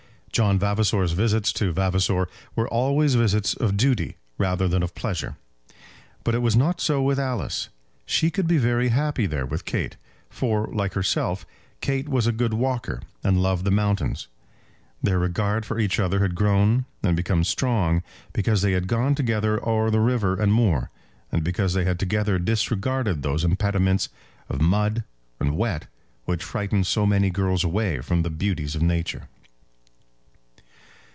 John Vavasor's visits to Vavasor were always visits of duty rather than of pleasure. But it was not so with Alice. She could be very happy there with Kate; for, like herself, Kate was a good walker and loved the mountains. Their regard for each other had grown and become strong because they had gone together o'er river and moor, and because they had together disregarded those impediments of mud and wet which frighten so many girls away from the beauties of nature.